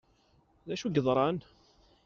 D acu i yeḍran?